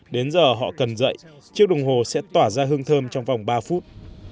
đến giờ họ cần dậy chiếc đồng hồ sẽ tỏa ra hương thơm trong vòng ba phút